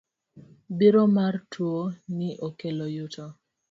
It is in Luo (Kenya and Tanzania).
Biro mar tuo ni okelo yuto.